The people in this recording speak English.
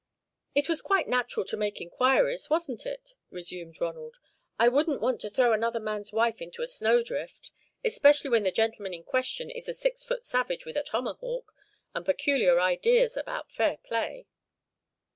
"It was quite natural to make inquiries, wasn't it?" resumed Ronald. "I wouldn't want to throw another man's wife into a snowdrift, especially when the gentleman in question is a six foot savage with a tomahawk, and peculiar ideas about fair play."